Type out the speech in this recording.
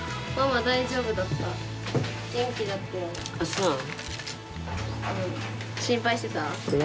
そうなの？